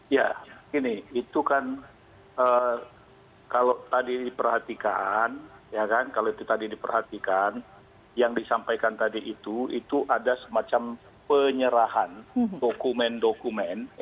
ya ini itu kan kalau tadi diperhatikan yang disampaikan tadi itu itu ada semacam penyerahan dokumen dokumen